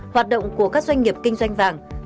hoạt động của các doanh nghiệp kinh doanh vàng